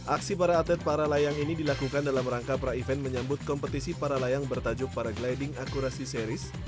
aksi para atlet para layang ini dilakukan dalam rangka pra event menyambut kompetisi para layang bertajuk para gliding akurasi series